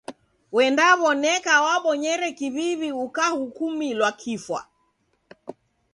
W'endaw'oneka wabonyere kiw'iw'i ukahukumilwa kifwa.